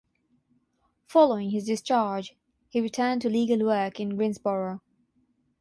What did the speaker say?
Following his discharge he returned to legal work in Greensboro.